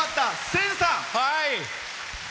千さん。